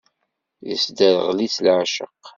Isderɣel-itt leɛceq.